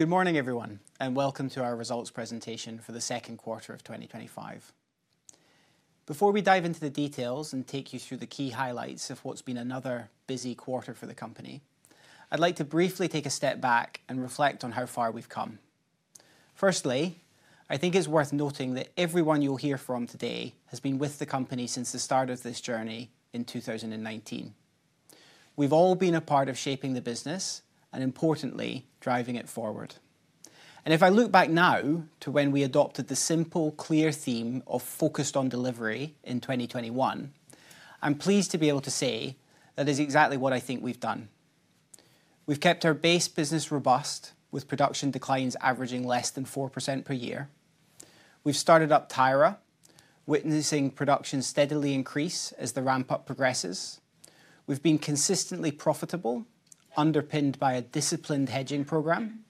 Good morning, everyone, and welcome to our results presentation for the second quarter of 2025. Before we dive into the details and take you through the key highlights of what's been another busy quarter for the company, I'd like to briefly take a step back and reflect on how far we've come. Firstly, I think it's worth noting that everyone you'll hear from today has been with the company since the start of this journey in 2019. We've all been a part of shaping the business and, importantly, driving it forward. If I look back now to when we adopted the simple, clear theme of "Focused on delivery" in 2021, I'm pleased to be able to say that is exactly what I think we've done. We've kept our base business robust, with production declines averaging less than 4% per year. We've started up Tyra, witnessing production steadily increase as the ramp-up progresses. We've been consistently profitable, underpinned by a disciplined hedging program.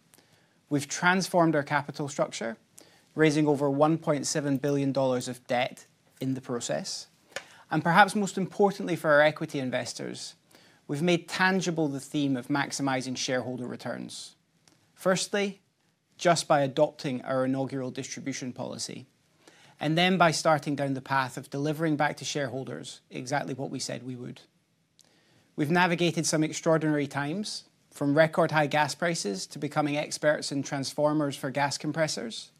We've transformed our capital structure, raising over $1.7 billion of debt in the process. Perhaps most importantly for our equity investors, we've made tangible the theme of maximizing shareholder returns. Firstly, just by adopting our inaugural distribution policy, and then by starting down the path of delivering back to shareholders exactly what we said we would. We've navigated some extraordinary times, from record-high gas prices to becoming experts in transformers for gas compressors.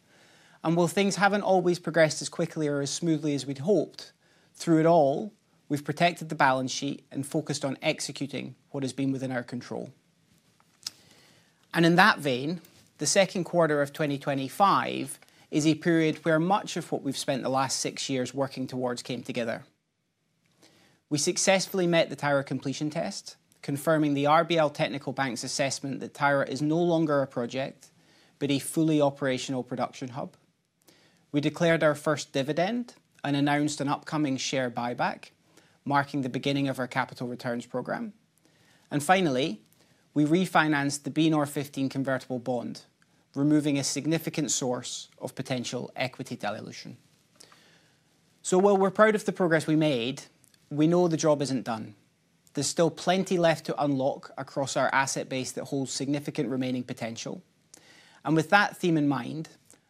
While things haven't always progressed as quickly or as smoothly as we'd hoped, through it all, we've protected the balance sheet and focused on executing what has been within our control. In that vein, the second quarter of 2025 is a period where much of what we've spent the last six years working towards came together. We successfully met the Tyra Completion Test, confirming the RBL Technical Bank's assessment that Tyra is no longer a project, but a fully operational production hub. We declared our first dividend and announced an upcoming share buyback, marking the beginning of our capital returns program. Finally, we refinanced the BNOR15 convertible bond, removing a significant source of potential equity dilution. While we're proud of the progress we made, we know the job isn't done. There's still plenty left to unlock across our asset base that holds significant remaining potential. With that theme in mind,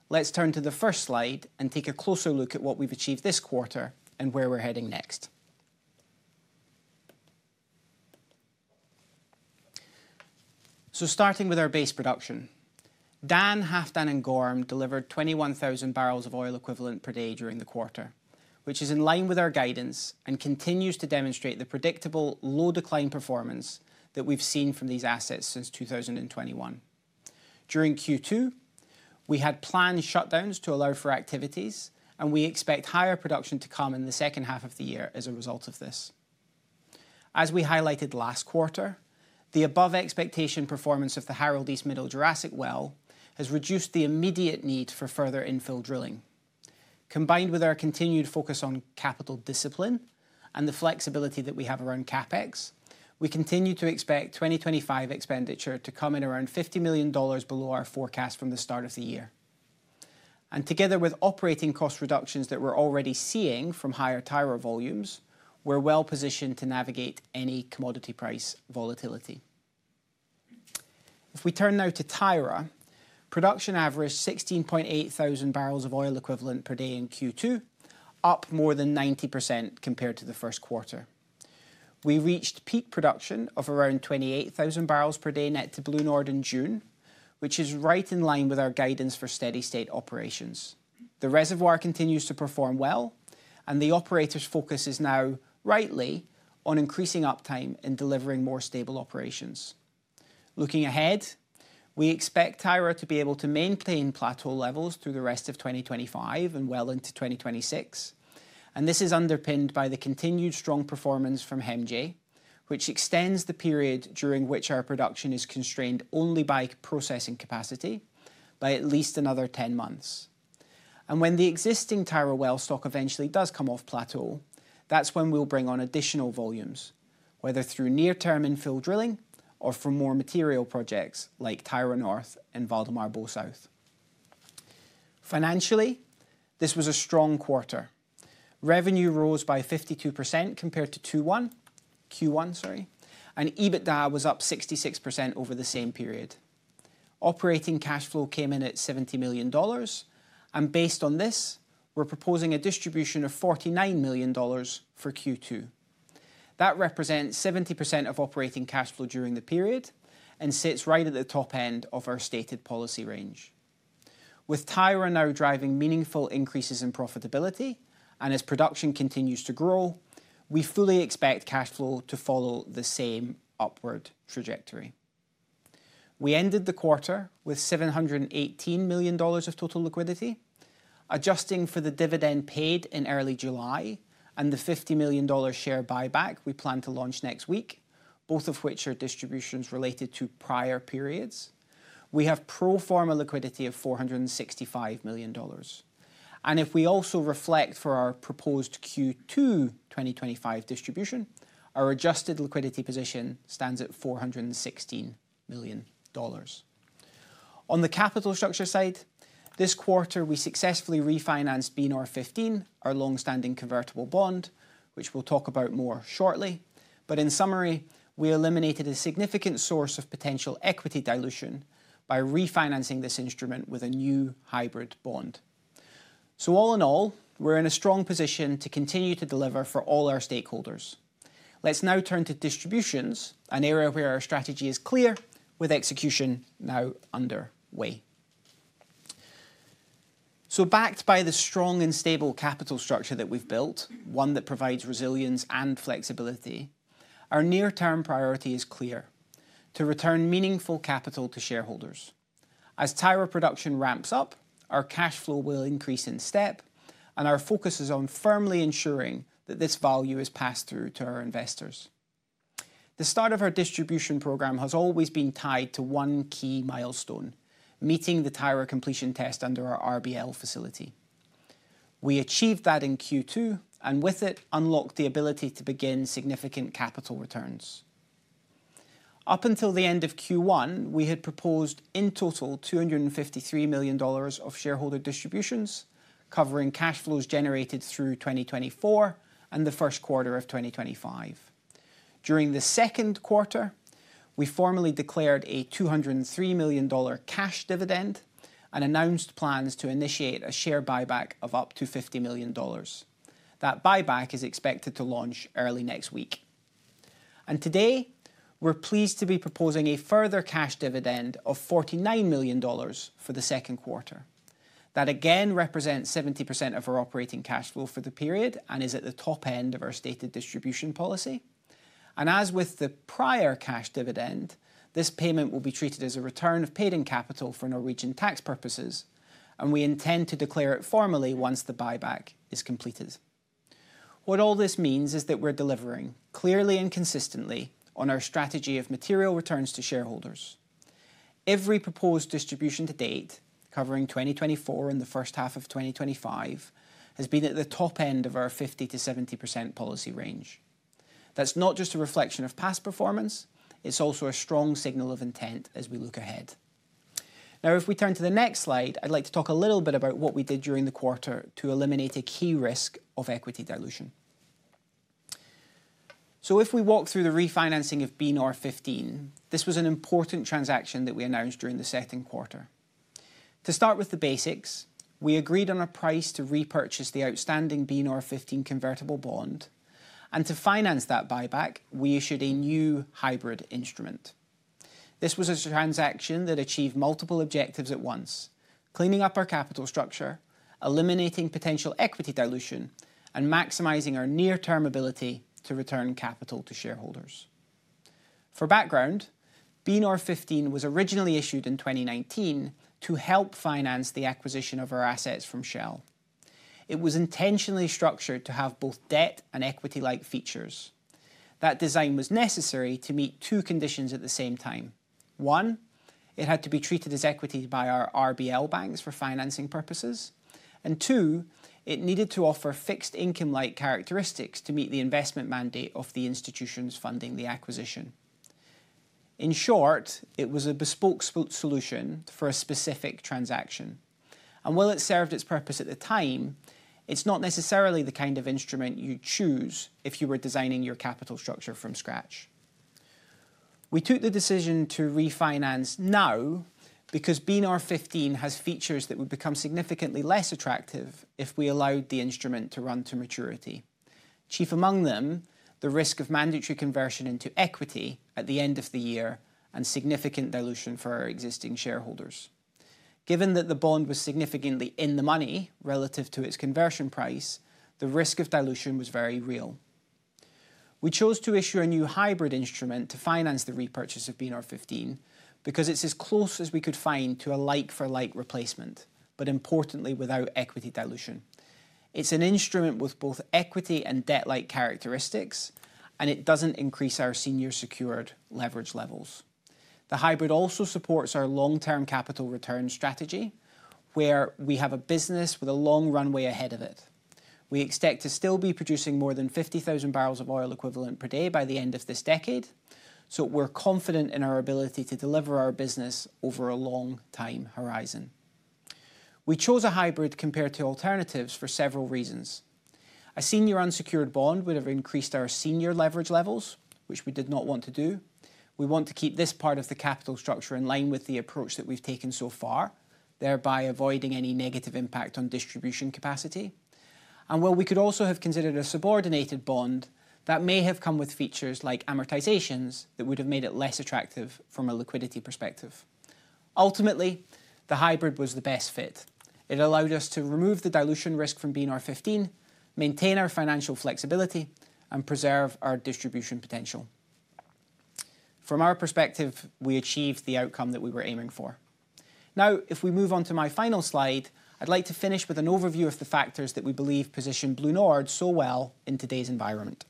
let's turn to the first slide and take a closer look at what we've achieved this quarter and where we're heading next. Starting with our base production, Dan, Halfdan, and Gorm delivered 21,000 boe/d during the quarter, which is in line with our guidance and continues to demonstrate the predictable, low-decline performance that we've seen from these assets since 2021. During Q2, we had planned shutdowns to allow for activities, and we expect higher production to come in the second half of the year as a result of this. As we highlighted last quarter, the above-expectation performance of the Harald East Middle Jurassic well has reduced the immediate need for further infill drilling. Combined with our continued focus on capital discipline and the flexibility that we have around CapEx, we continue to expect 2025 expenditure to come in around $50 million below our forecast from the start of the year. Together with operating cost reductions that we're already seeing from higher Tyra volumes, we're well positioned to navigate any commodity price volatility. If we turn now to Tyra, production averaged 16,800 boe/d in Q2, up more than 90% compared to the first quarter. We reached peak production of around 28,000 bbl/d net to BlueNord in June, which is right in line with our guidance for steady-state operations. The reservoir continues to perform well, and the operator's focus is now, rightly, on increasing uptime and delivering more stable operations. Looking ahead, we expect Tyra to be able to maintain plateau levels through the rest of 2025 and well into 2026. This is underpinned by the continued strong performance from HEMJ, which extends the period during which our production is constrained only by processing capacity by at least another 10 months. When the existing Tyra well stock eventually does come off plateau, that's when we'll bring on additional volumes, whether through near-term infill drilling or for more material projects like Tyra North and Valdemar Bo South. Financially, this was a strong quarter. Revenue rose by 52% compared to Q1, and EBITDA was up 66% over the same period. Operating cash flow came in at $70 million, and based on this, we're proposing a distribution of $49 million for Q2. That represents 70% of operating cash flow during the period and sits right at the top end of our stated policy range. With Tyra now driving meaningful increases in profitability, and as production continues to grow, we fully expect cash flow to follow the same upward trajectory. We ended the quarter with $718 million of total liquidity, adjusting for the dividend paid in early July and the $50 million share buyback we plan to launch next week, both of which are distributions related to prior periods. We have pro forma liquidity of $465 million. If we also reflect for our proposed Q2 2025 distribution, our adjusted liquidity position stands at $416 million. On the capital structure side, this quarter we successfully refinanced BNOR15, our long-standing convertible bond, which we'll talk about more shortly. In summary, we eliminated a significant source of potential equity dilution by refinancing this instrument with a new hybrid bond. All in all, we're in a strong position to continue to deliver for all our stakeholders. Let's now turn to distributions, an area where our strategy is clear, with execution now underway. Backed by the strong and stable capital structure that we've built, one that provides resilience and flexibility, our near-term priority is clear: to return meaningful capital to shareholders. As Tyra production ramps up, our cash flow will increase in step, and our focus is on firmly ensuring that this value is passed through to our investors. The start of our distribution program has always been tied to one key milestone: meeting the Tyra Completion Test under our RBL facility. We achieved that in Q2, and with it, unlocked the ability to begin significant capital returns. Up until the end of Q1, we had proposed in total $253 million of shareholder distributions, covering cash flows generated through 2024 and the first quarter of 2025. During the second quarter, we formally declared a $203 million cash dividend and announced plans to initiate a share buyback of up to $50 million. That buyback is expected to launch early next week. Today, we're pleased to be proposing a further cash dividend of $49 million for the second quarter. That again represents 70% of our operating cash flow for the period and is at the top end of our stated distribution policy. As with the prior cash dividend, this payment will be treated as a return of paid-in capital for Norwegian tax purposes, and we intend to declare it formally once the buyback is completed. What all this means is that we're delivering clearly and consistently on our strategy of material returns to shareholders. Every proposed distribution to date, covering 2024 and the first half of 2025, has been at the top end of our 50%-70% policy range. That's not just a reflection of past performance, it's also a strong signal of intent as we look ahead. Now, if we turn to the next slide, I'd like to talk a little bit about what we did during the quarter to eliminate a key risk of equity dilution. If we walk through the refinancing of BNOR15, this was an important transaction that we announced during the second quarter. To start with the basics, we agreed on a price to repurchase the outstanding BNOR15 convertible bond, and to finance that buyback, we issued a new hybrid instrument. This was a transaction that achieved multiple objectives at once: cleaning up our capital structure, eliminating potential equity dilution, and maximizing our near-term ability to return capital to shareholders. For background, BNOR15 was originally issued in 2019 to help finance the acquisition of our assets from Shell. It was intentionally structured to have both debt and equity-like features. That design was necessary to meet two conditions at the same time. One, it had to be treated as equity by our RBL banks for financing purposes, and two, it needed to offer fixed income-like characteristics to meet the investment mandate of the institutions funding the acquisition. In short, it was a bespoke solution for a specific transaction. While it served its purpose at the time, it's not necessarily the kind of instrument you'd choose if you were designing your capital structure from scratch. We took the decision to refinance now because BNOR15 has features that would become significantly less attractive if we allowed the instrument to run to maturity, chief among them the risk of mandatory conversion into equity at the end of the year and significant dilution for our existing shareholders. Given that the bond was significantly in the money relative to its conversion price, the risk of dilution was very real. We chose to issue a new hybrid instrument to finance the repurchase of BNOR15 because it's as close as we could find to a like-for-like replacement, but importantly, without equity dilution. It's an instrument with both equity and debt-like characteristics, and it doesn't increase our senior secured leverage levels. The hybrid also supports our long-term capital return strategy, where we have a business with a long runway ahead of it. We expect to still be producing more than 50,000 boe/d by the end of this decade, so we're confident in our ability to deliver our business over a long time horizon. We chose a hybrid compared to alternatives for several reasons. A senior unsecured bond would have increased our senior leverage levels, which we did not want to do. We want to keep this part of the capital structure in line with the approach that we've taken so far, thereby avoiding any negative impact on distribution capacity. While we could also have considered a subordinated bond, that may have come with features like amortizations that would have made it less attractive from a liquidity perspective. Ultimately, the hybrid was the best fit. It allowed us to remove the dilution risk from BNOR15, maintain our financial flexibility, and preserve our distribution potential. From our perspective, we achieved the outcome that we were aiming for. Now, if we move on to my final slide, I'd like to finish with an overview of the factors that we believe position BlueNord so well in today's environment.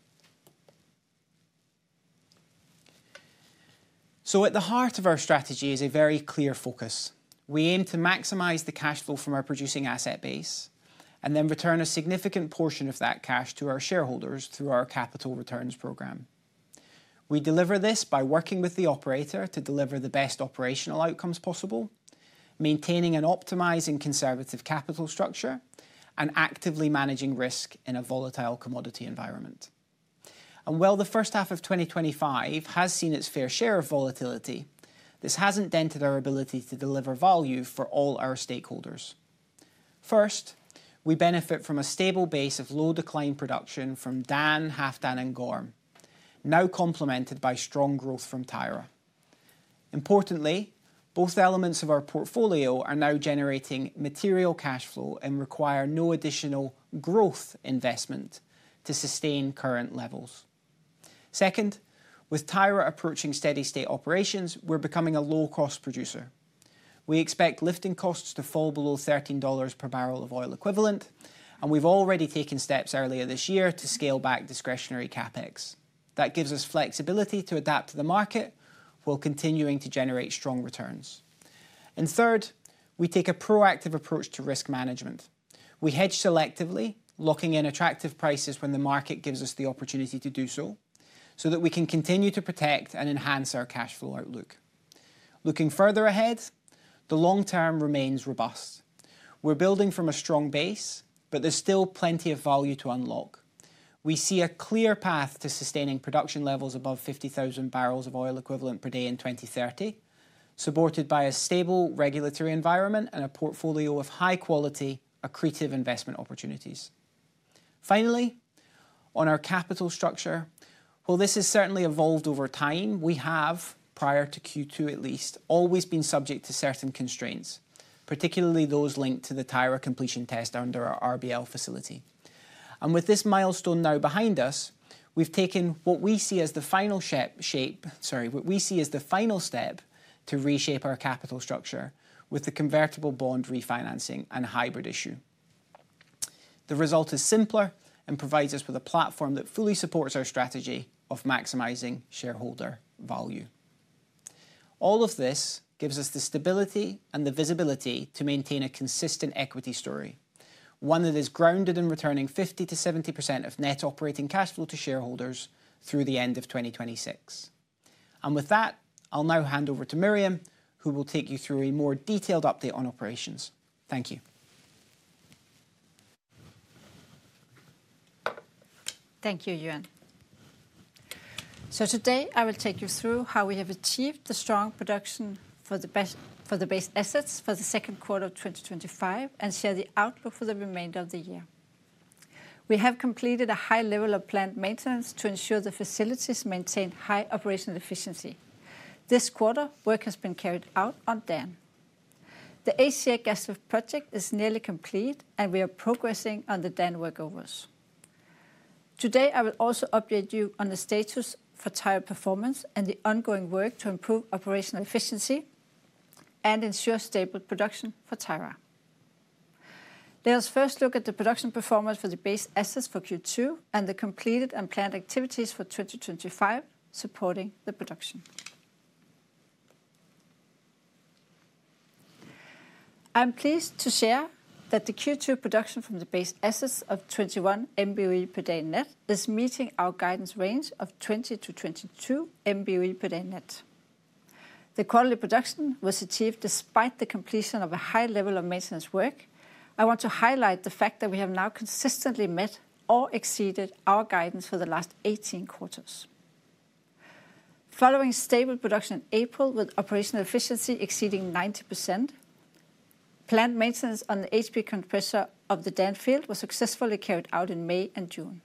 At the heart of our strategy is a very clear focus. We aim to maximize the cash flow from our producing asset base and then return a significant portion of that cash to our shareholders through our capital returns program. We deliver this by working with the operator to deliver the best operational outcomes possible, maintaining and optimizing conservative capital structure, and actively managing risk in a volatile commodity environment. While the first half of 2025 has seen its fair share of volatility, this hasn't dented our ability to deliver value for all our stakeholders. First, we benefit from a stable base of low-decline production from Dan, Halfdan, and Gorm, now complemented by strong growth from Tyra. Importantly, both elements of our portfolio are now generating material cash flow and require no additional growth investment to sustain current levels. Second, with Tyra approaching steady-state operations, we're becoming a low-cost producer. We expect lifting costs to fall below $13 per BOE, and we've already taken steps earlier this year to scale back discretionary CapEx. That gives us flexibility to adapt to the market while continuing to generate strong returns. Third, we take a proactive approach to risk management. We hedge selectively, locking in attractive prices when the market gives us the opportunity to do so, so that we can continue to protect and enhance our cash flow outlook. Looking further ahead, the long term remains robust. We're building from a strong base, but there's still plenty of value to unlock. We see a clear path to sustaining production levels above 50,000 boe/d in 2030, supported by a stable regulatory environment and a portfolio of high-quality, accretive investment opportunities. Finally, on our capital structure, while this has certainly evolved over time, we have, prior to Q2 at least, always been subject to certain constraints, particularly those linked to the Tyra Completion Test under our RBL facility. With this milestone now behind us, we've taken what we see as the final step to reshape our capital structure with the convertible bond refinancing and hybrid issue. The result is simpler and provides us with a platform that fully supports our strategy of maximizing shareholder value. All of this gives us the stability and the visibility to maintain a consistent equity story, one that is grounded in returning 50%-70% of net operating cash flow to shareholders through the end of 2026. With that, I'll now hand over to Miriam, who will take you through a more detailed update on operations. Thank you. Thank you, Euan. Today, I will take you through how we have achieved the strong production for the base assets for the second quarter of 2025 and share the outlook for the remainder of the year. We have completed a high level of planned maintenance to ensure the facilities maintain high operational efficiency. This quarter, work has been carried out on Dan. The [HCA] gas project is nearly complete, and we are progressing on the Dan workovers. Today, I will also update you on the status for Tyra performance and the ongoing work to improve operational efficiency and ensure stable production for Tyra. Let us first look at the production performance for the base assets for Q2 and the completed and planned activities for 2025 supporting the production. I'm pleased to share that the Q2 production from the base assets of 21 mboe/d net is meeting our guidance range of 20-22 mboe/d net. The quarterly production was achieved despite the completion of a high level of maintenance work. I want to highlight the fact that we have now consistently met or exceeded our guidance for the last 18 quarters. Following stable production in April with operational efficiency exceeding 90%, planned maintenance on the HP compressor of the Dan field was successfully carried out in May and June.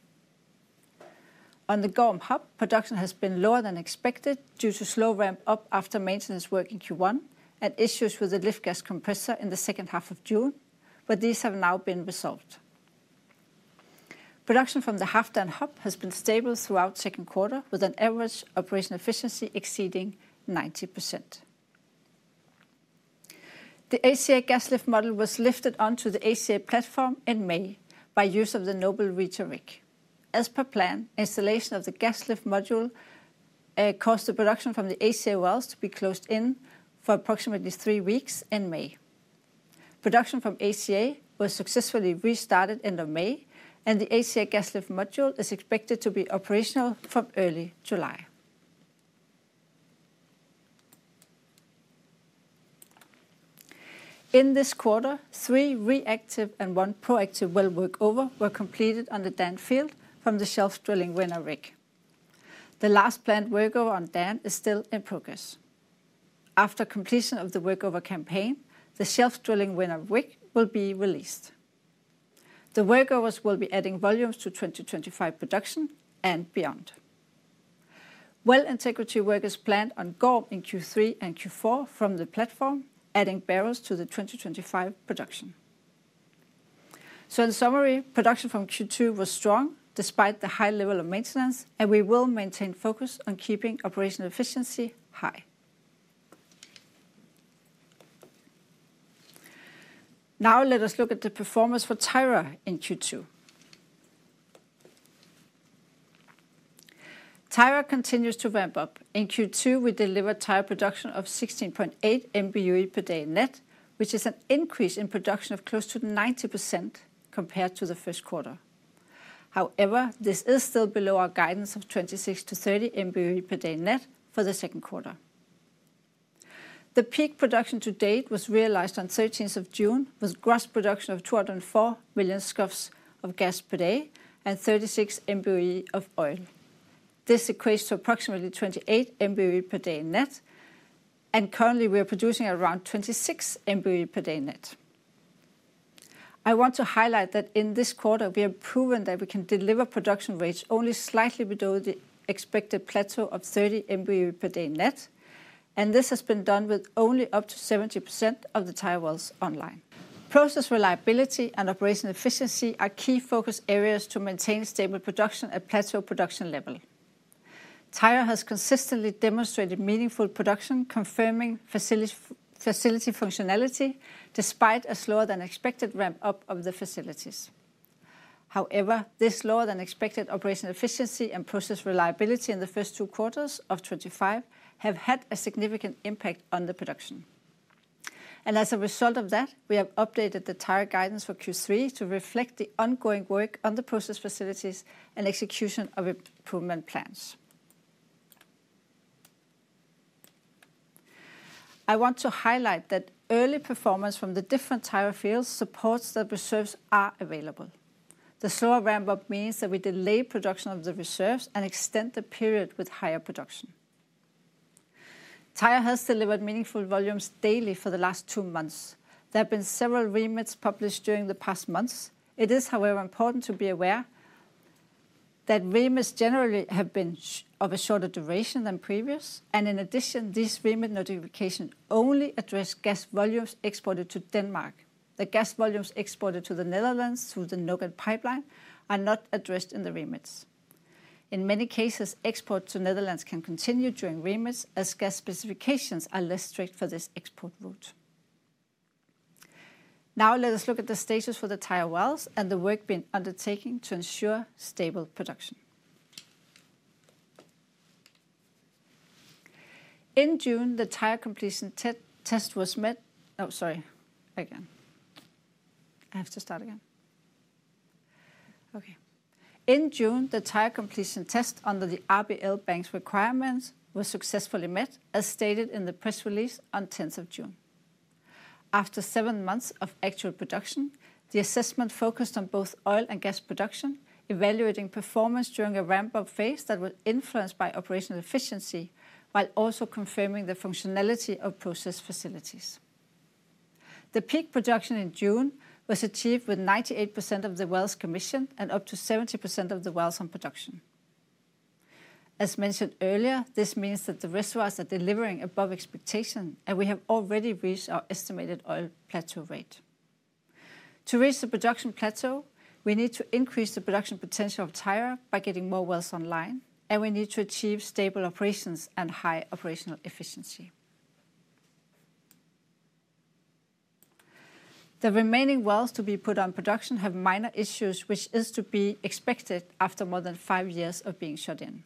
On the Gorm hub, production has been lower than expected due to slow ramp-up after maintenance work in Q1 and issues with the lift gas compressor in the second half of June, but these have now been resolved. Production from the Halfdan hub has been stable throughout the second quarter with an average operational efficiency exceeding 90%. The HCA gas lift module was lifted onto the HCA platform in May by use of the Noble Reacher rig. As per plan, installation of the gas lift module caused the production from the HCA wells to be closed in for approximately three weeks in May. Production from HCA was successfully restarted in May, and the HCA gas lift module is expected to be operational from early July. In this quarter, three reactive and one proactive well workover were completed on the Dan field from the Shelf Drilling Winner rig. The last planned workover on Dan is still in progress. After completion of the workover campaign, the Shelf Drilling Winner rig will be released. The workovers will be adding volumes to 2025 production and beyond. Well integrity work is planned on Gorm in Q3 and Q4 from the platform, adding barrels to the 2025 production. In summary, production from Q2 was strong despite the high level of maintenance, and we will maintain focus on keeping operational efficiency high. Now let us look at the performance for Tyra in Q2. Tyra continues to ramp up. In Q2, we delivered Tyra production of 16.8 mboep/d net, which is an increase in production of close to 90% compared to the first quarter. However, this is still below our guidance of 26-30 mboep/d net for the second quarter. The peak production to date was realized on 13th of June, with gross production of 204 million scuffs of gas per day and 36 mboep/d of oil. This equates to approximately 28 mboep/d net, and currently we are producing around 26 mboep/d net. I want to highlight that in this quarter, we have proven that we can deliver production rates only slightly below the expected plateau of 30 mboep/d net, and this has been done with only up to 70% of the Tyra wells online. Process reliability and operational efficiency are key focus areas to maintain stable production at plateau production level. Tyra has consistently demonstrated meaningful production, confirming facility functionality despite a slower than expected ramp-up of the facilities. However, this lower than expected operational efficiency and process reliability in the first two quarters of 2025 have had a significant impact on the production. As a result of that, we have updated the Tyra guidance for Q3 to reflect the ongoing work on the process facilities and execution of improvement plans. I want to highlight that early performance from the different Tyra fields supports that reserves are available. The slower ramp-up means that we delay production of the reserves and extend the period with higher production. Tyra has delivered meaningful volumes daily for the last two months. There have been several remits published during the past months. It is, however, important to be aware that remits generally have been of a shorter duration than previous, and in addition, these remit notifications only address gas volumes exported to Denmark. The gas volumes exported to the Netherlands through the NOGAT pipeline are not addressed in the remits. In many cases, export to Netherlands can continue during remits, as gas specifications are less strict for this export route. Now let us look at the status for the Tyra wells and the work being undertaken to ensure stable production. In June, the Tyra completion test was met. Oh, sorry, again. In June, the Tyra Completion Test under the RBL Bank's requirements was successfully met, as stated in the press release on 10th of June. After seven months of actual production, the assessment focused on both oil and gas production, evaluating performance during a ramp-up phase that was influenced by operational efficiency, while also confirming the functionality of process facilities. The peak production in June was achieved with 98% of the wells commissioned and up to 70% of the wells on production. As mentioned earlier, this means that the reservoirs are delivering above expectation, and we have already reached our estimated oil plateau rate. To reach the production plateau, we need to increase the production potential of Tyra by getting more wells online, and we need to achieve stable operations and high operational efficiency. The remaining wells to be put on production have minor issues, which are to be expected after more than five years of being shut in.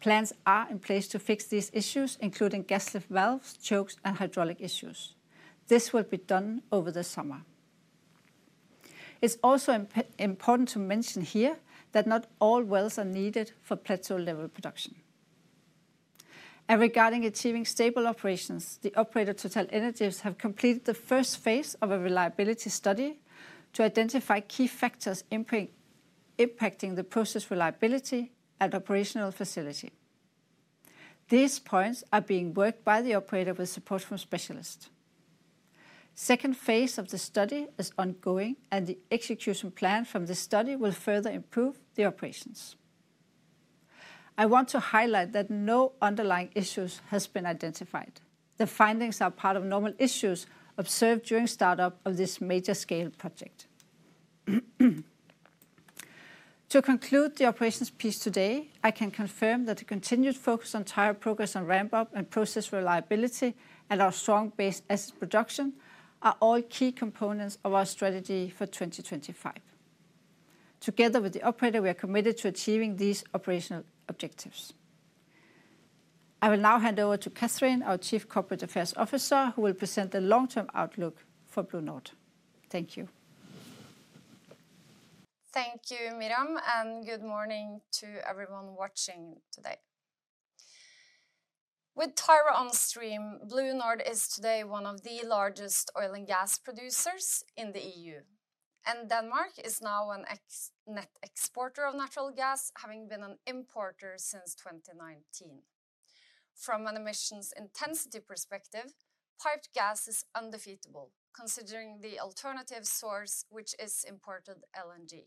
Plans are in place to fix these issues, including gas lift valves, chokes, and hydraulic issues. This will be done over the summer. It's also important to mention here that not all wells are needed for plateau level production. Regarding achieving stable operations, the operator TotalEnergies has completed the first phase of a reliability study to identify key factors impacting the process reliability and operational facility. These points are being worked by the operator with support from specialists. The second phase of the study is ongoing, and the execution plan from this study will further improve the operations. I want to highlight that no underlying issues have been identified. The findings are part of normal issues observed during startup of this major scale project. To conclude the operations piece today, I can confirm that the continued focus on Tyra progress on ramp-up and process reliability and our strong base asset production are all key components of our strategy for 2025. Together with the operator, we are committed to achieving these operational objectives. I will now hand over to Cathrine, our Chief Corporate Affairs Officer, who will present the long-term outlook for BlueNord. Thank you. Thank you, Miriam, and good morning to everyone watching today. With Tyra on stream, BlueNord is today one of the largest oil and gas producers in the EU, and Denmark is now a net exporter of natural gas, having been an importer since 2019. From an emissions intensity perspective, piped gas is undefeatable, considering the alternative source, which is imported LNG.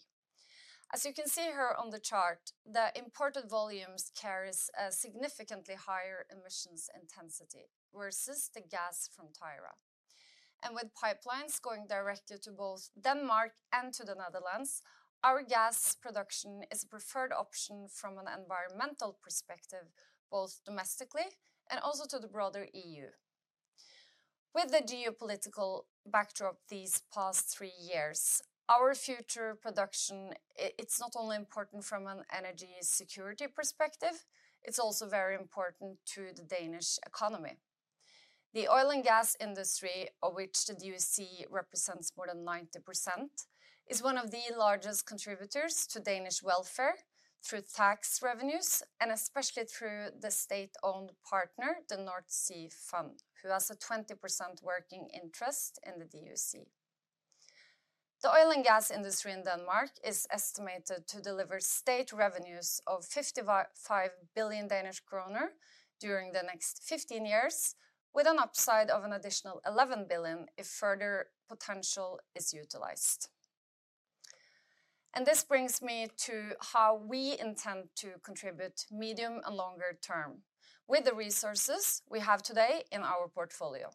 As you can see here on the chart, the imported volumes carry a significantly higher emissions intensity versus the gas from Tyra. With pipelines going directly to both Denmark and to the Netherlands, our gas production is a preferred option from an environmental perspective, both domestically and also to the broader EU. With the geopolitical backdrop these past three years, our future production, it's not only important from an energy security perspective, it's also very important to the Danish economy. The oil and gas industry, of which the DUC represents more than 90%, is one of the largest contributors to Danish welfare through tax revenues, and especially through the state-owned partner, the North Sea Fund, who has a 20% working interest in the DUC. The oil and gas industry in Denmark is estimated to deliver state revenues of 55 billion Danish kroner during the next 15 years, with an upside of an additional 11 billion if further potential is utilized. This brings me to how we intend to contribute medium and longer term with the resources we have today in our portfolio.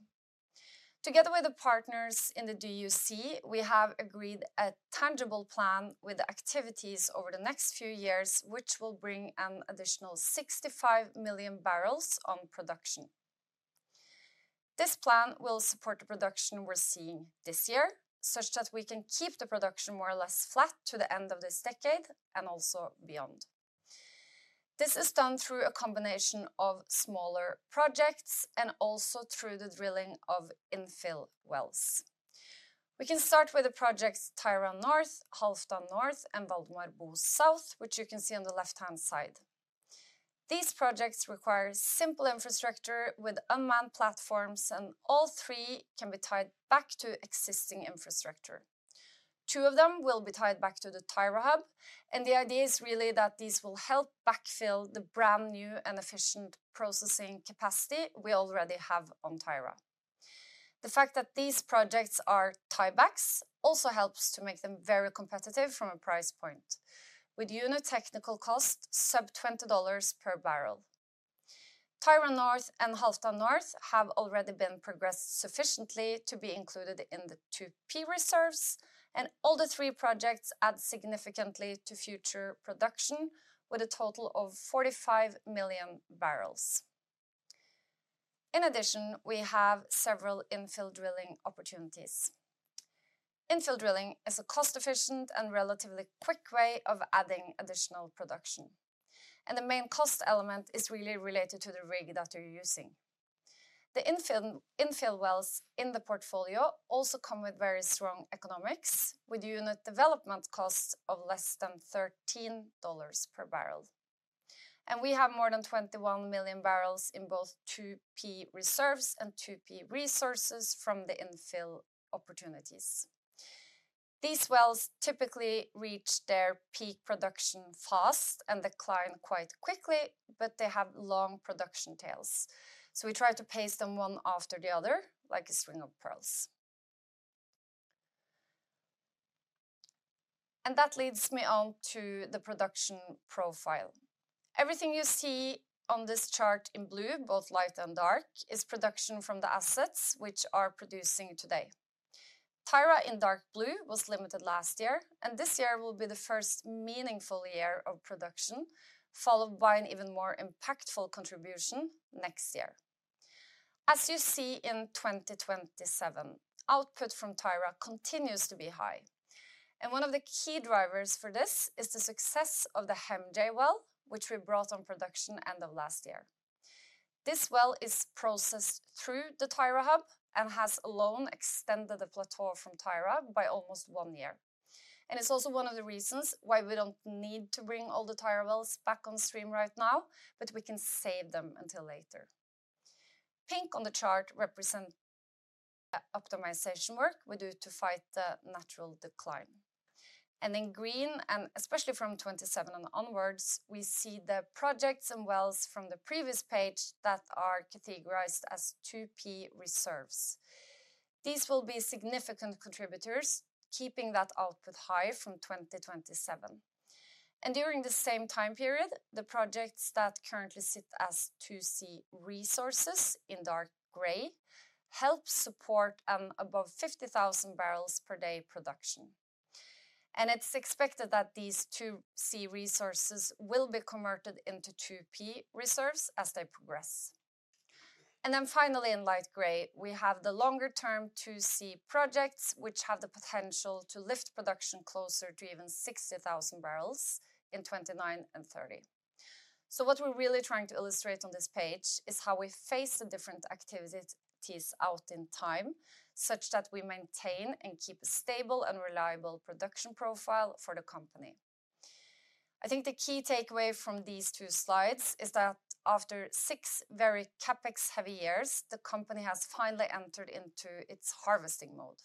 Together with the partners in the DUC, we have agreed a tangible plan with activities over the next few years, which will bring an additional 65 MMbbl on production. This plan will support the production we're seeing this year, such that we can keep the production more or less flat to the end of this decade and also beyond. This is done through a combination of smaller projects and also through the drilling of infill wells. We can start with the projects Tyra North, Halfdan North, and Valdemar Bo South, which you can see on the left-hand side. These projects require simple infrastructure with unmanned platforms, and all three can be tied back to existing infrastructure. Two of them will be tied back to the Tyra hub, and the idea is really that these will help backfill the brand new and efficient processing capacity we already have on Tyra. The fact that these projects are tiebacks also helps to make them very competitive from a price point, with unit technical costs sub $20 per barrel. Tyra North and Halfdan North have already been progressed sufficiently to be included in the 2P reserves, and all the three projects add significantly to future production with a total of 45 MMbbl. In addition, we have several infill drilling opportunities. Infill drilling is a cost-efficient and relatively quick way of adding additional production, and the main cost element is really related to the rig that you're using. The infill wells in the portfolio also come with very strong economics, with unit development costs of less than $13 per barrel. We have more than 21 MMbbl in both 2P reserves and 2P resources from the infill opportunities. These wells typically reach their peak production fast and decline quite quickly, but they have long production tails, so we try to pace them one after the other, like a string of pearls. That leads me on to the production profile. Everything you see on this chart in blue, both light and dark, is production from the assets which are producing today. Tyra in dark blue was limited last year, and this year will be the first meaningful year of production, followed by an even more impactful contribution next year. As you see in 2027, output from Tyra continues to be high, and one of the key drivers for this is the success of the HEMJ well, which we brought on production end of last year. This well is processed through the Tyra hub and has alone extended the plateau from Tyra by almost one year. It's also one of the reasons why we don't need to bring all the Tyra wells back on stream right now, but we can save them until later. Pink on the chart represents the optimization work we do to fight the natural decline. In green, and especially from 2027 and onwards, we see the projects and wells from the previous page that are categorized as 2P reserves. These will be significant contributors, keeping that output high from 2027. During the same time period, the projects that currently sit as 2C resources in dark gray help support an above 50,000 bbl production. It's expected that these 2C resources will be converted into 2P reserves as they progress. Finally, in light gray, we have the longer-term 2C projects, which have the potential to lift production closer to even 60,000 bbl in 2029 and 2030. What we're really trying to illustrate on this page is how we phase the different activities out in time, such that we maintain and keep a stable and reliable production profile for the company. I think the key takeaway from these two slides is that after six very CapEx-heavy years, the company has finally entered into its harvesting mode.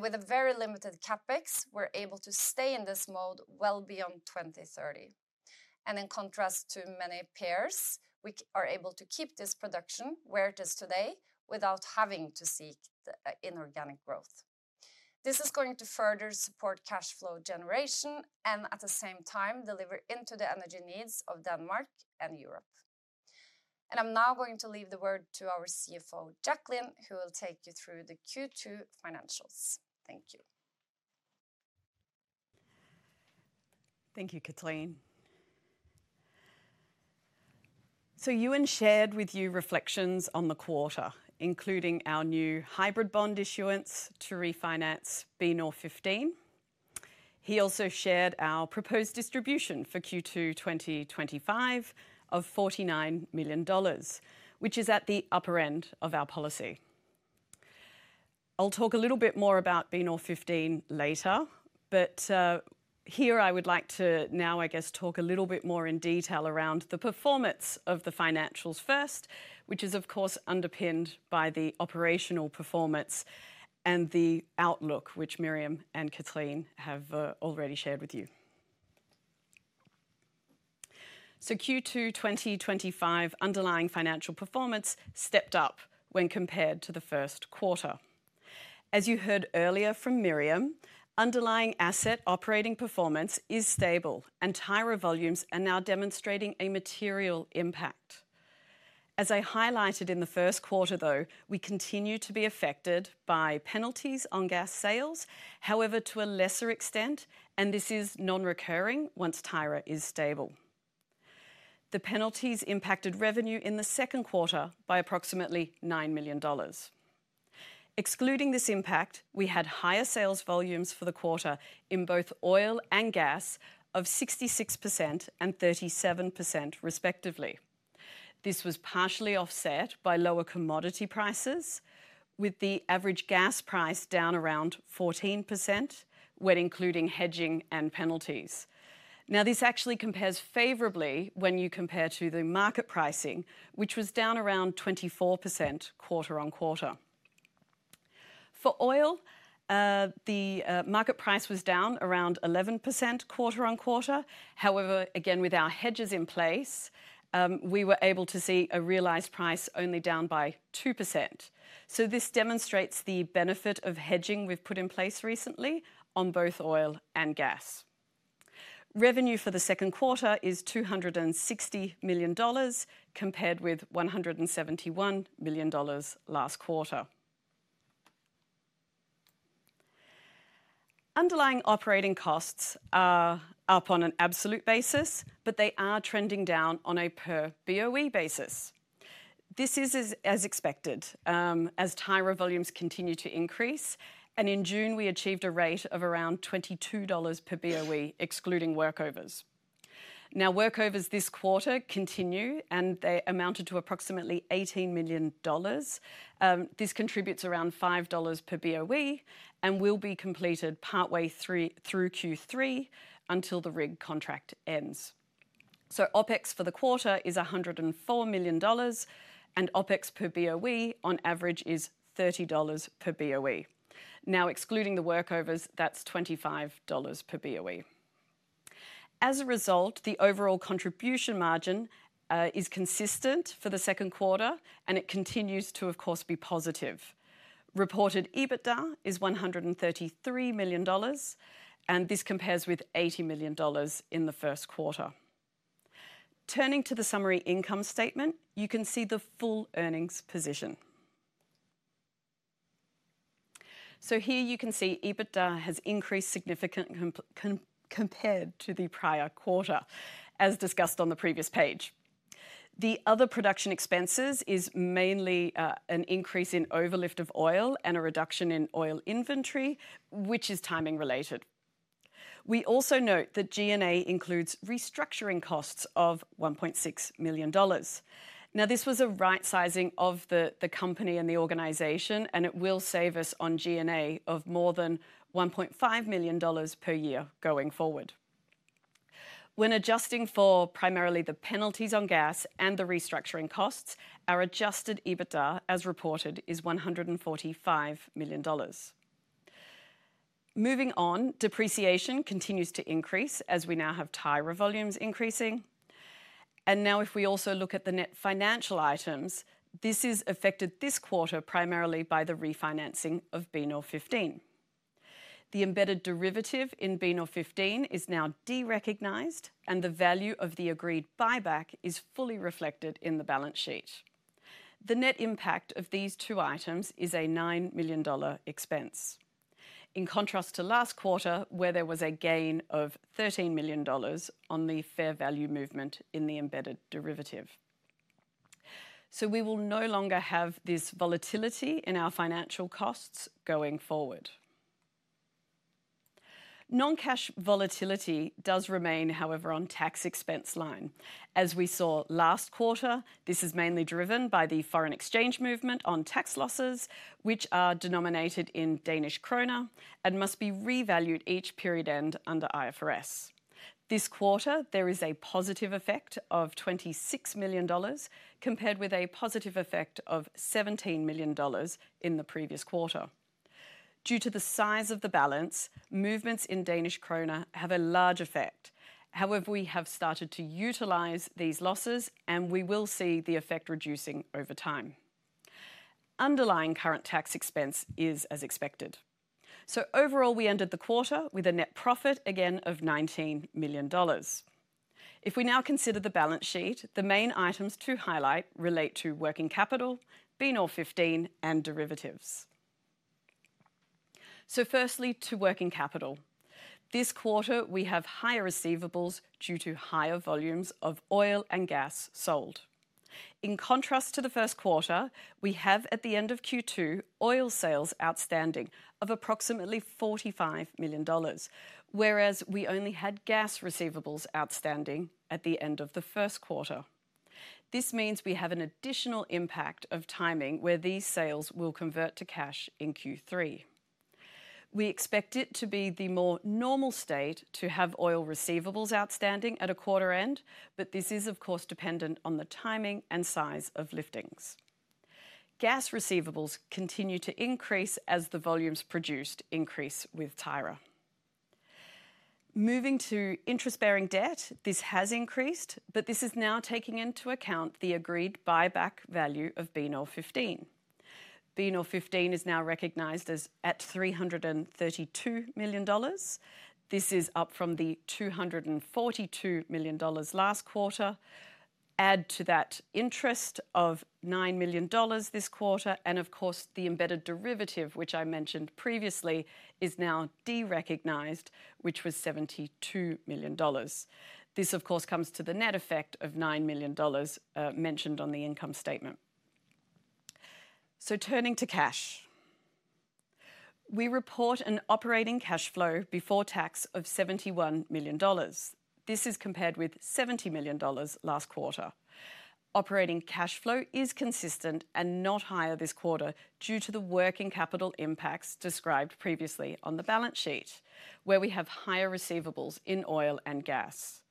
With very limited CapEx, we're able to stay in this mode well beyond 2030. In contrast to many peers, we are able to keep this production where it is today without having to seek inorganic growth. This is going to further support cash flow generation and at the same time deliver into the energy needs of Denmark and Europe. I'm now going to leave the word to our CFO, Jacqueline, who will take you through the Q2 financials. Thank you. Thank you, Cathrine. Euan shared with you reflections on the quarter, including our new hybrid bond issuance to refinance BNOR15. He also shared our proposed distribution for Q2 2025 of $49 million, which is at the upper end of our policy. I'll talk a little bit more about BNOR15 later, but here I would like to now talk a little bit more in detail around the performance of the financials first, which is of course underpinned by the operational performance and the outlook which Miriam and Cathrine have already shared with you. Q2 2025 underlying financial performance stepped up when compared to the first quarter. As you heard earlier from Miriam, underlying asset operating performance is stable, and Tyra volumes are now demonstrating a material impact. As I highlighted in the first quarter, though, we continue to be affected by penalties on gas sales, however to a lesser extent, and this is non-recurring once Tyra is stable. The penalties impacted revenue in the second quarter by approximately $9 million. Excluding this impact, we had higher sales volumes for the quarter in both oil and gas of 66% and 37% respectively. This was partially offset by lower commodity prices, with the average gas price down around 14% when including hedging and penalties. This actually compares favorably when you compare to the market pricing, which was down around 24% quarter-on-quarter. For oil, the market price was down around 11% quarter-on-quarter. However, again with our hedges in place, we were able to see a realized price only down by 2%. This demonstrates the benefit of hedging we've put in place recently on both oil and gas. Revenue for the second quarter is $260 million compared with $171 million last quarter. Underlying operating costs are up on an absolute basis, but they are trending down on a per BOE basis. This is as expected, as Tyra volumes continue to increase, and in June we achieved a rate of around $22 per BOE excluding workovers. Workovers this quarter continue, and they amounted to approximately $18 million. This contributes around $5 per BOE and will be completed partway through Q3 until the rig contract ends. OPEX for the quarter is $104 million, and OPEX per BOE on average is $30 per BOE. Excluding the workovers, that's $25 per BOE. As a result, the overall contribution margin is consistent for the second quarter, and it continues to, of course, be positive. Reported EBITDA is $133 million, and this compares with $80 million in the first quarter. Turning to the summary income statement, you can see the full earnings position. Here you can see EBITDA has increased significantly compared to the prior quarter, as discussed on the previous page. The other production expenses are mainly an increase in overlift of oil and a reduction in oil inventory, which is timing related. We also note that G&A includes restructuring costs of $1.6 million. This was a right sizing of the company and the organization, and it will save us on G&A of more than $1.5 million per year going forward. When adjusting for primarily the penalties on gas and the restructuring costs, our adjusted EBITDA, as reported, is $145 million. Moving on, depreciation continues to increase as we now have Tyra volumes increasing. If we also look at the net financial items, this is affected this quarter primarily by the refinancing of BNOR15. The embedded derivative in BNOR15 is now derecognized, and the value of the agreed buyback is fully reflected in the balance sheet. The net impact of these two items is a $9 million expense. In contrast to last quarter, where there was a gain of $13 million on the fair value movement in the embedded derivative. We will no longer have this volatility in our financial costs going forward. Non-cash volatility does remain, however, on the tax expense line. As we saw last quarter, this is mainly driven by the foreign exchange movement on tax losses, which are denominated in Danish kroner and must be revalued each period end under IFRS. This quarter, there is a positive effect of $26 million compared with a positive effect of $17 million in the previous quarter. Due to the size of the balance, movements in Danish kroner have a large effect. We have started to utilize these losses, and we will see the effect reducing over time. Underlying current tax expense is as expected. Overall, we ended the quarter with a net profit again of $19 million. If we now consider the balance sheet, the main items to highlight relate to working capital, BNOR15, and derivatives. Firstly, to working capital. This quarter, we have higher receivables due to higher volumes of oil and gas sold. In contrast to the first quarter, we have at the end of Q2 oil sales outstanding of approximately $45 million, whereas we only had gas receivables outstanding at the end of the first quarter. This means we have an additional impact of timing where these sales will convert to cash in Q3. We expect it to be the more normal state to have oil receivables outstanding at a quarter end, but this is of course dependent on the timing and size of liftings. Gas receivables continue to increase as the volumes produced increase with Tyra. Moving to interest-bearing debt, this has increased, but this is now taking into account the agreed buyback value of BNOR15. BNOR15 is now recognized at $332 million. This is up from the $242 million last quarter. Add to that interest of $9 million this quarter, and of course the embedded derivative, which I mentioned previously, is now derecognized, which was $72 million. This of course comes to the net effect of $9 million mentioned on the income statement. Turning to cash, we report an operating cash flow before tax of $71 million. This is compared with $70 million last quarter. Operating cash flow is consistent and not higher this quarter due to the working capital impacts described previously on the balance sheet, where we have higher receivables in oil and gas.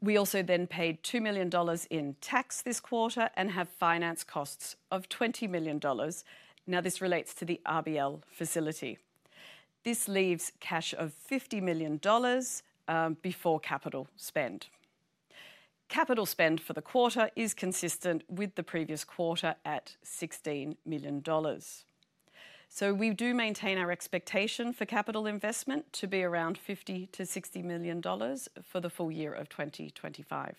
We also then paid $2 million in tax this quarter and have finance costs of $20 million. This relates to the RBL facility. This leaves cash of $50 million before capital spend. Capital spend for the quarter is consistent with the previous quarter at $16 million. We do maintain our expectation for capital investment to be around $50-$60 million for the full year of 2025.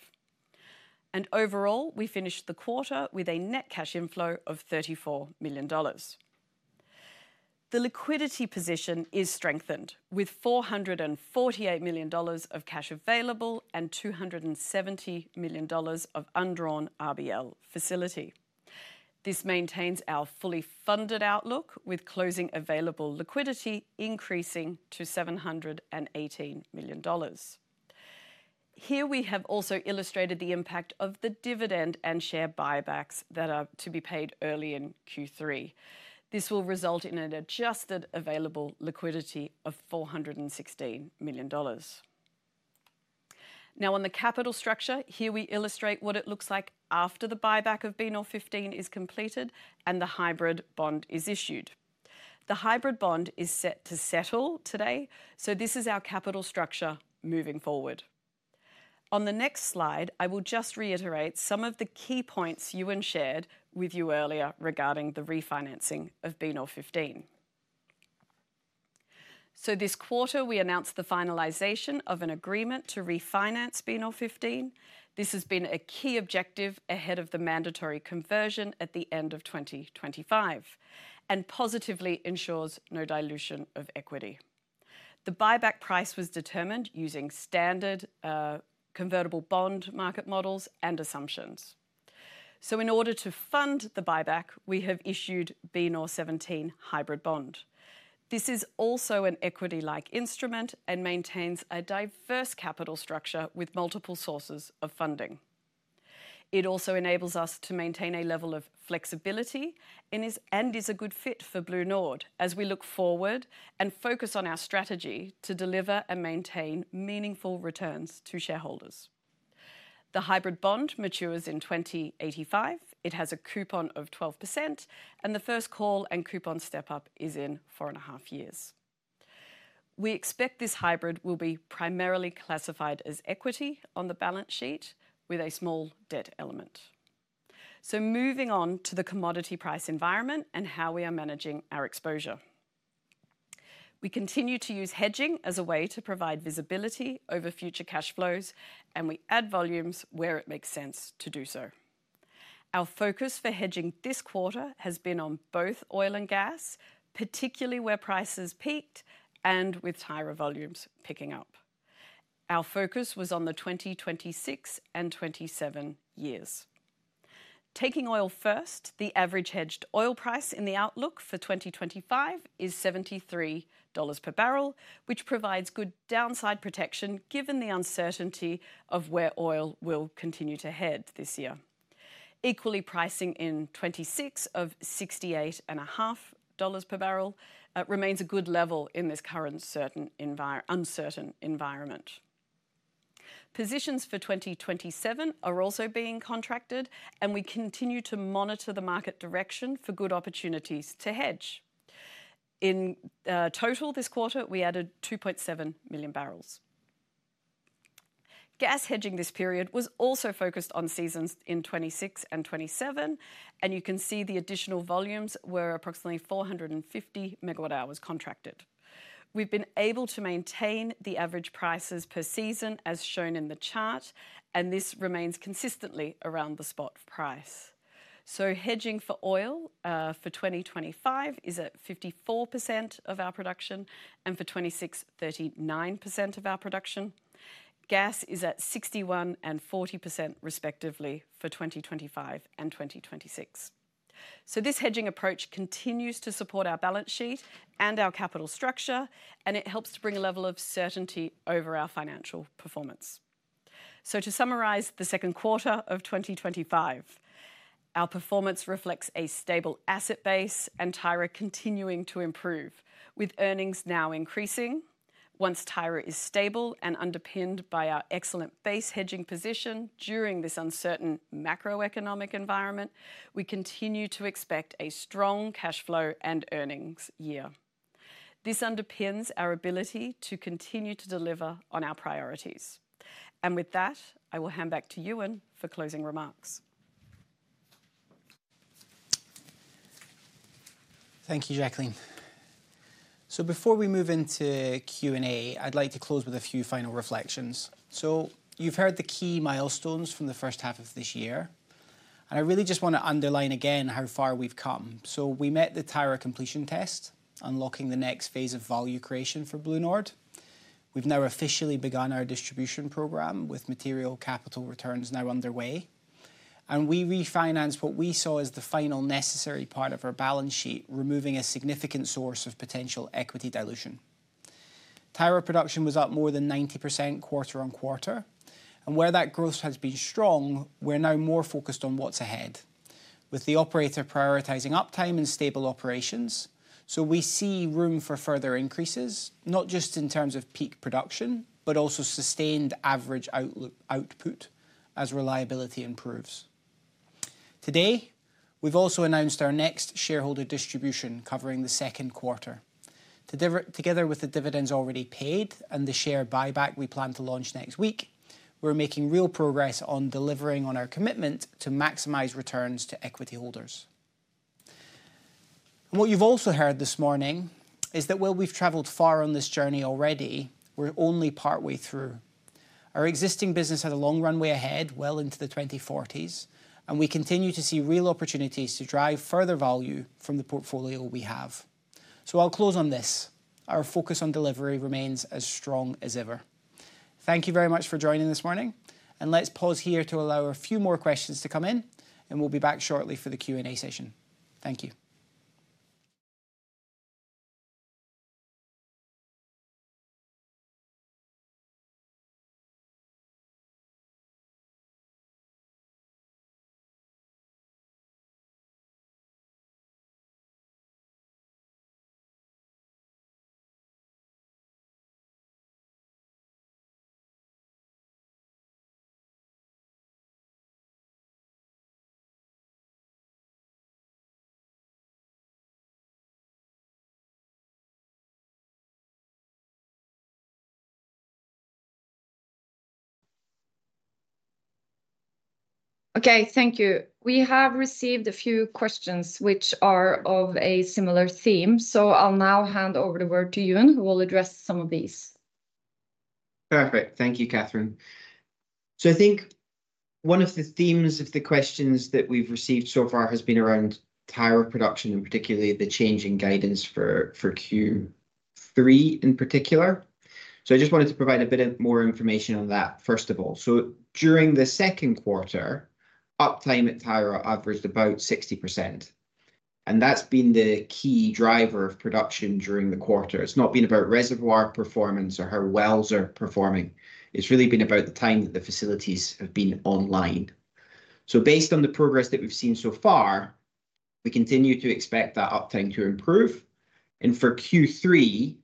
Overall, we finished the quarter with a net cash inflow of $34 million. The liquidity position is strengthened with $448 million of cash available and $270 million of undrawn RBL facility. This maintains our fully funded outlook, with closing available liquidity increasing to $718 million. Here we have also illustrated the impact of the dividend and share buybacks that are to be paid early in Q3. This will result in an adjusted available liquidity of $416 million. On the capital structure, here we illustrate what it looks like after the buyback of BNOR15 is completed and the hybrid bond is issued. The hybrid bond is set to settle today, so this is our capital structure moving forward. On the next slide, I will just reiterate some of the key points Euan shared with you earlier regarding the refinancing of BNOR15. This quarter, we announced the finalization of an agreement to refinance BNOR15. This has been a key objective ahead of the mandatory conversion at the end of 2025 and positively ensures no dilution of equity. The buyback price was determined using standard convertible bond market models and assumptions. In order to fund the buyback, we have issued BNOR17 hybrid bond. This is also an equity-like instrument and maintains a diverse capital structure with multiple sources of funding. It also enables us to maintain a level of flexibility and is a good fit for BlueNord as we look forward and focus on our strategy to deliver and maintain meaningful returns to shareholders. The hybrid bond matures in 2085. It has a coupon of 12%, and the first call and coupon step-up is in four and a half years. We expect this hybrid will be primarily classified as equity on the balance sheet with a small debt element. Moving on to the commodity price environment and how we are managing our exposure. We continue to use hedging as a way to provide visibility over future cash flows, and we add volumes where it makes sense to do so. Our focus for hedging this quarter has been on both oil and gas, particularly where prices peaked and with Tyra volumes picking up. Our focus was on the 2026 and 2027 years. Taking oil first, the average hedged oil price in the outlook for 2025 is $73 per barrel, which provides good downside protection given the uncertainty of where oil will continue to head this year. Equally, pricing in 2026 of $68.50 per barrel remains a good level in this current uncertain environment. Positions for 2027 are also being contracted, and we continue to monitor the market direction for good opportunities to hedge. In total, this quarter, we added 2.7 MMbbl. Gas hedging this period was also focused on seasons in 2026 and 2027, and you can see the additional volumes were approximately 450 megawatt hours contracted. We've been able to maintain the average prices per season as shown in the chart, and this remains consistently around the spot price. Hedging for oil for 2025 is at 54% of our production, and for 2026, 39% of our production. Gas is at 61% and 40% respectively for 2025 and 2026. This hedging approach continues to support our balance sheet and our capital structure, and it helps to bring a level of certainty over our financial performance. To summarize the second quarter of 2025, our performance reflects a stable asset base and Tyra continuing to improve, with earnings now increasing. Once Tyra is stable and underpinned by our excellent base hedging position during this uncertain macroeconomic environment, we continue to expect a strong cash flow and earnings year. This underpins our ability to continue to deliver on our priorities. I will hand back to Euan for closing remarks. Thank you, Jacqueline. Before we move into Q&A, I'd like to close with a few final reflections. You've heard the key milestones from the first half of this year, and I really just want to underline again how far we've come. We met the Tyra completion test, unlocking the next phase of value creation for BlueNord. We've now officially begun our distribution program with material capital returns now underway, and we refinanced what we saw as the final necessary part of our balance sheet, removing a significant source of potential equity dilution. Tyra production was up more than 90% quarter-on-quarter, and where that growth has been strong, we're now more focused on what's ahead, with the operator prioritizing uptime and stable operations. We see room for further increases, not just in terms of peak production, but also sustained average output as reliability improves. Today, we've also announced our next shareholder distribution covering the second quarter. Together with the dividends already paid and the share buyback we plan to launch next week, we're making real progress on delivering on our commitment to maximize returns to equity holders. What you've also heard this morning is that while we've traveled far on this journey already, we're only partway through. Our existing business had a long runway ahead, well into the 2040s, and we continue to see real opportunities to drive further value from the portfolio we have. I'll close on this. Our focus on delivery remains as strong as ever. Thank you very much for joining this morning, and let's pause here to allow a few more questions to come in, and we'll be back shortly for the Q&A session. Thank you. Okay, thank you. We have received a few questions which are of a similar theme, so I'll now hand over the word to Euan, who will address some of these. Perfect. Thank you, Cathrine. I think one of the themes of the questions that we've received so far has been around Tyra production and particularly the changing guidance for Q3 in particular. I just wanted to provide a bit more information on that, first of all. During the second quarter, uptime at Tyra averaged about 60%, and that's been the key driver of production during the quarter. It's not been about reservoir performance or how wells are performing. It's really been about the time that the facilities have been online. Based on the progress that we've seen so far, we continue to expect that uptime to improve, and for Q3,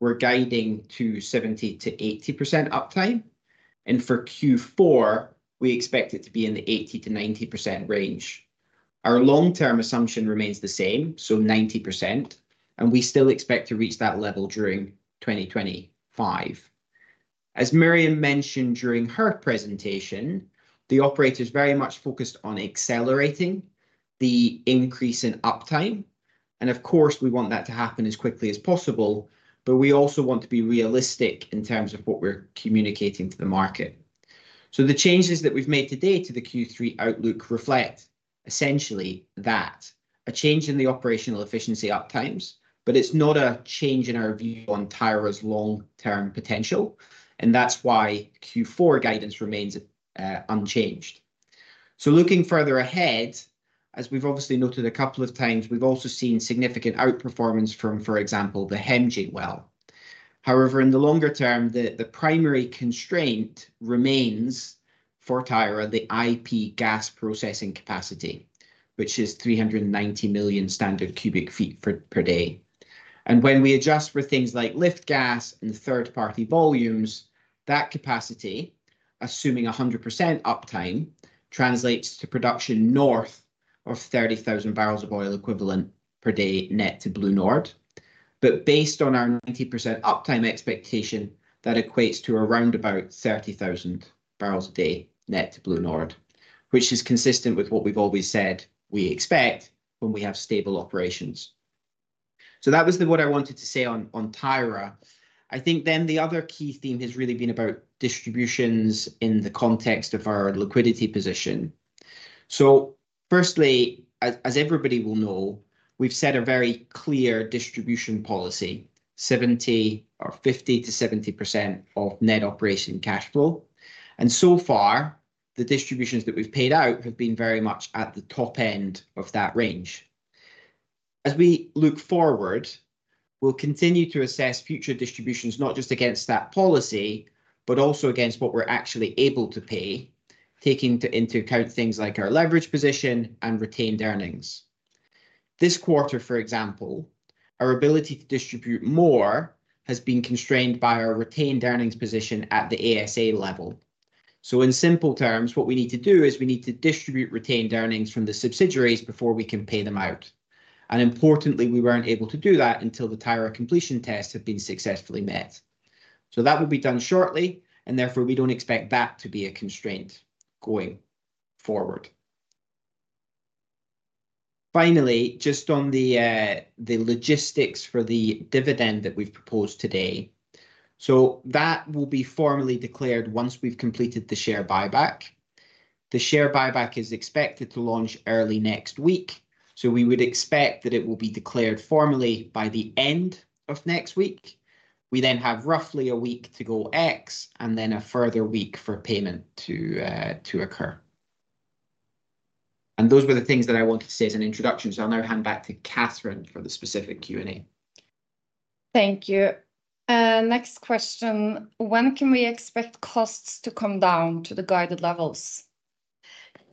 we're guiding to 70%-80% uptime, and for Q4, we expect it to be in the 80%-90% range. Our long-term assumption remains the same, so 90%, and we still expect to reach that level during 2025. As Miriam mentioned during her presentation, the operator is very much focused on accelerating the increase in uptime, and of course, we want that to happen as quickly as possible, but we also want to be realistic in terms of what we're communicating to the market. The changes that we've made today to the Q3 outlook reflect essentially that. A change in the operational efficiency uptimes, but it's not a change in our view on Tyra's long-term potential, and that's why Q4 guidance remains unchanged. Looking further ahead, as we've obviously noted a couple of times, we've also seen significant outperformance from, for example, the HEMJ well. However, in the longer term, the primary constraint remains for Tyra the IP gas processing capacity, which is 390 million standard cubic feet per day. When we adjust for things like lift gas and third-party volumes, that capacity, assuming 100% uptime, translates to production north of 30,000 mboe/d net to BlueNord. Based on our 90% uptime expectation, that equates to around about 30,000 bbl a day net to BlueNord, which is consistent with what we've always said we expect when we have stable operations. That was what I wanted to say on Tyra. I think then the other key theme has really been about distributions in the context of our liquidity position. Firstly, as everybody will know, we've set a very clear distribution policy, 50%-70% of net operating cash flow. So far, the distributions that we've paid out have been very much at the top end of that range. As we look forward, we'll continue to assess future distributions not just against that policy, but also against what we're actually able to pay, taking into account things like our leverage position and retained earnings. This quarter, for example, our ability to distribute more has been constrained by our retained earnings position at the ASA level. In simple terms, what we need to do is we need to distribute retained earnings from the subsidiaries before we can pay them out. Importantly, we weren't able to do that until the Tyra completion test had been successfully met. That will be done shortly, and therefore we don't expect that to be a constraint going forward. Finally, just on the logistics for the dividend that we've proposed today, that will be formally declared once we've completed the share buyback. The share buyback is expected to launch early next week, so we would expect that it will be declared formally by the end of next week. We then have roughly a week to go X and then a further week for payment to occur. Those were the things that I wanted to say as an introduction, so I'll now hand back to Cathrine for the specific Q&A. Thank you. Next question, when can we expect costs to come down to the guided levels?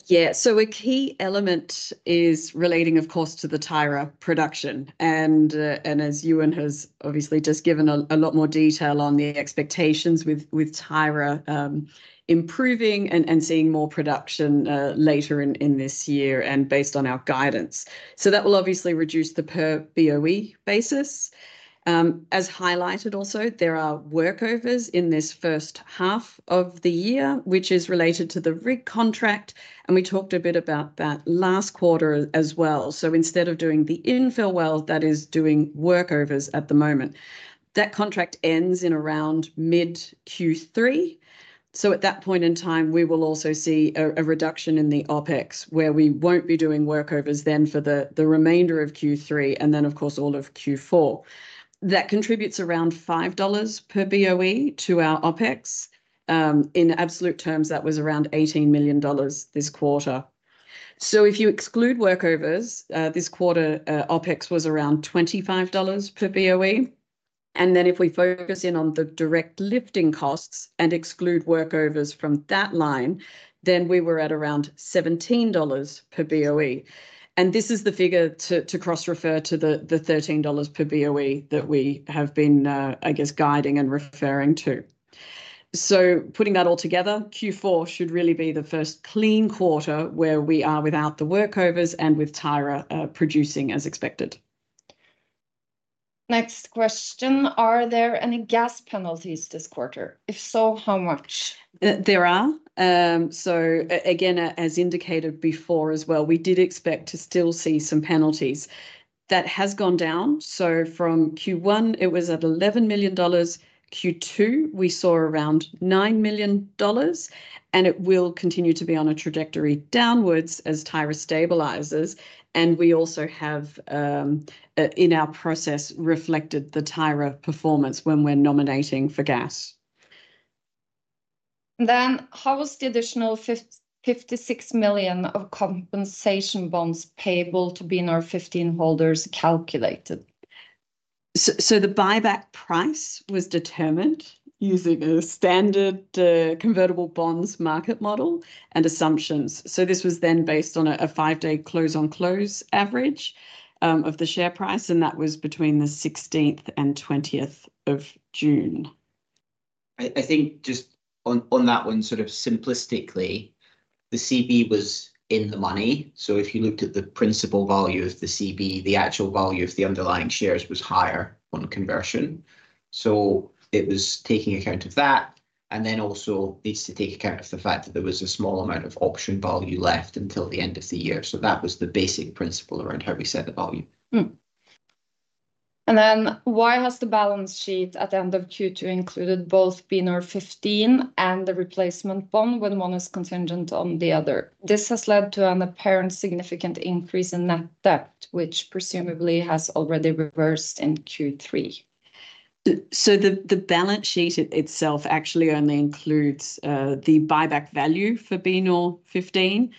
Yeah, a key element is relating, of course, to the Tyra production. As Euan has obviously just given a lot more detail on the expectations with Tyra improving and seeing more production later in this year and based on our guidance, that will obviously reduce the per BOE basis. As highlighted also, there are workovers in this first half of the year, which is related to the rig contract, and we talked a bit about that last quarter as well. Instead of doing the infill well, that is doing workovers at the moment. That contract ends in around mid-Q3. At that point in time, we will also see a reduction in the OpEx where we won't be doing workovers then for the remainder of Q3 and, of course, all of Q4. That contributes around $5 per BOE to our OpEx. In absolute terms, that was around $18 million this quarter. If you exclude workovers, this quarter OpEx was around $25 per BOE, and if we focus in on the direct lifting costs and exclude workovers from that line, then we were at around $17 per BOE. This is the figure to cross-refer to the $13 per BOE that we have been, I guess, guiding and referring to. Putting that all together, Q4 should really be the first clean quarter where we are without the workovers and with Tyra producing as expected. Next question, are there any gas penalties this quarter? If so, how much? As indicated before as well, we did expect to still see some penalties. That has gone down. From Q1, it was at $11 million. Q2, we saw around $9 million, and it will continue to be on a trajectory downwards as Tyra stabilizes. We also have, in our process, reflected the Tyra performance when we're nominating for gas. How was the additional $56 million of compensation bonds payable to BNOR15 holders calculated? The buyback price was determined using a standard convertible bonds market model and assumptions. This was then based on a five-day close-on-close average of the share price, and that was between the 16th and 20th of June. I think just on that one, sort of simplistically, the CB was in the money. If you looked at the principal value of the CB, the actual value of the underlying shares was higher on conversion. It was taking account of that, and then also needs to take account of the fact that there was a small amount of option value left until the end of the year. That was the basic principle around how we set the value. Why has the balance sheet at the end of Q2 included both BNOR15 and the replacement bond when one is contingent on the other? This has led to an apparent significant increase in net debt, which presumably has already reversed in Q3. The balance sheet itself actually only includes the buyback value for BNOR15.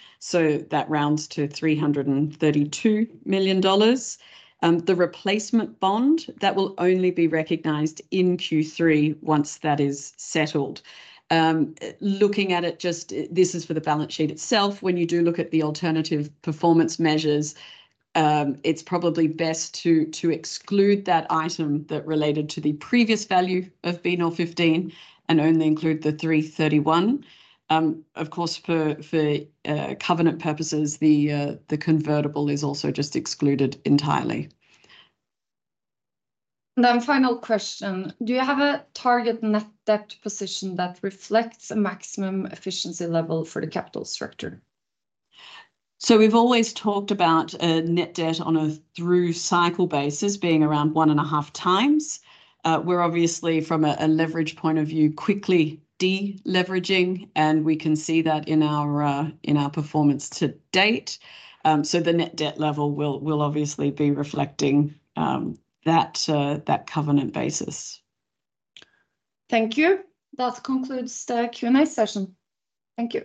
That rounds to $332 million. The replacement bond will only be recognized in Q3 once that is settled. Looking at it, this is for the balance sheet itself. When you do look at the alternative performance measures, it's probably best to exclude that item that related to the previous value of BNOR15 and only include the $331 million. Of course, for covenant purposes, the convertible is also just excluded entirely. Do you have a target net debt position that reflects a maximum efficiency level for the capital structure? We've always talked about net debt on a through cycle basis being around 1.5x. We're obviously, from a leverage point of view, quickly de-leveraging, and we can see that in our performance to date. The net debt level will obviously be reflecting that covenant basis. Thank you. That concludes the Q&A session. Thank you.